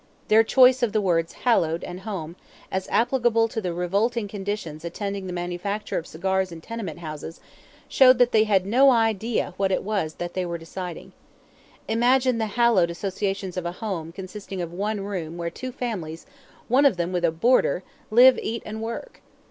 Their choice of the words "hallowed" and "home," as applicable to the revolting conditions attending the manufacture of cigars in tenement houses, showed that they had no idea what it was that they were deciding. Imagine the "hallowed" associations of a "home" consisting of one room where two families, one of them with a boarder, live, eat, and work!